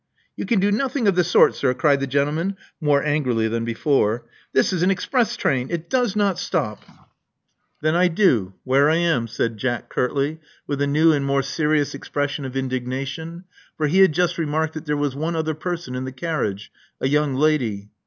"You can do nothing of the sort, sir," cried the gentleman, more angrily than before. "This is an express train. It does not stop." 58 Love Among the Artists Then I do^ where I am," said Jack curtly, wifli a new and more serious expression of indignation ; for he had just remarked that there was one other person in the carriage — a young lady.